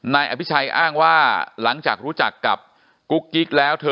นายอภิชัยอ้างว่าหลังจากรู้จักกับกุ๊กกิ๊กแล้วเธอ